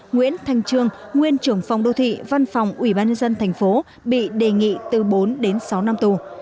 nguyễn thành trương nguyên trưởng phòng đô thị văn phòng ubnd tp bị đề nghị từ bốn đến sáu năm tù